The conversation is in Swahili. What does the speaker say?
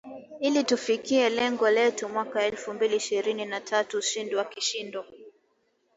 ili tufikie lengo letu mwaka elfu mbili ishrini na tatu ushindi wa kishindo